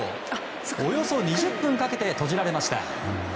およそ２０分かけて閉じられました。